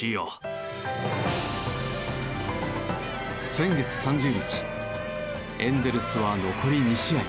先月３０日エンゼルスは残り２試合。